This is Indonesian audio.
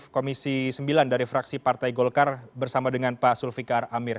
komisi sembilan dari fraksi partai golkar bersama dengan pak sulfikar amir